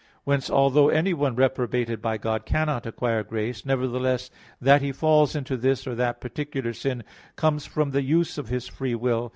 Whence, although anyone reprobated by God cannot acquire grace, nevertheless that he falls into this or that particular sin comes from the use of his free will.